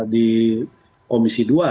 di komisi dua